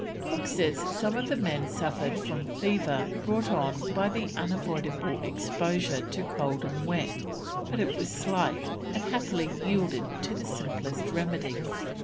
Cook says that some of the men suffered from fever brought on by the unavoidable exposure to cold and wet, but it was slight, and "happily yielded to the simplest remedies."